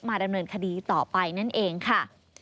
ดำเนินคดีต่อไปนั่นเองค่ะ